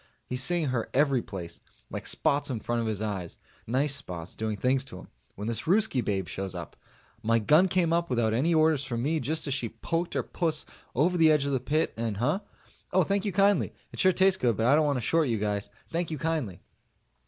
He's seeing her every place like spots in front of his eyes nice spots doing things to him, when this Ruskie babe shows up. My gun came up without any orders from me just as she poked her puss over the edge of the pit, and huh? Oh, thank you kindly. It sure tastes good but I don't want to short you guys. Thank you kindly.